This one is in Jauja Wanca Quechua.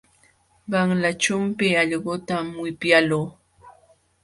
Qanla chumpi allqutam wipyaaluu.